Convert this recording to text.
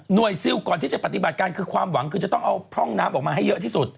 ซิลก่อนที่จะปฏิบัติการคือความหวังคือจะต้องเอาพร่องน้ำออกมาให้เยอะที่สุด